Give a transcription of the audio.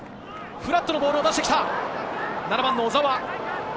フラットのボールを出してきた、小澤。